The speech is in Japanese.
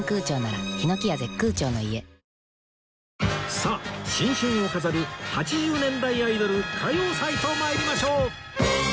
さあ新春を飾る８０年代アイドル歌謡祭と参りましょう